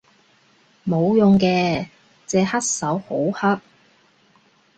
冇用嘅，隻黑手好黑